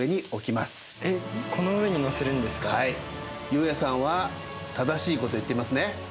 悠也さんは正しいこと言っていますね？